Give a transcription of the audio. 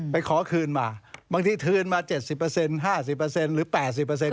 ไปขอคืนมาบางทีคืนมา๗๐เปอร์เซ็นต์๕๐เปอร์เซ็นต์หรือ๘๐เปอร์เซ็นต์